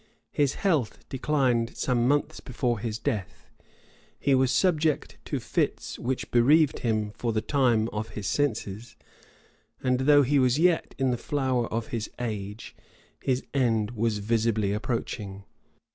His health declined some months before his death; he was subject to fits, which bereaved him, for the time, of his senses; and though he was yet in the flower of his age, his end was visibly approaching.